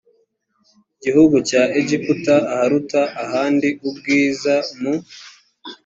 gihugu cya egiputa aharuta ahandi ubwiza mu